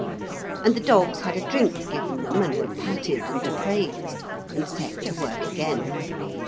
And the dogs had a drink given them and were patted and praised, and set to work again.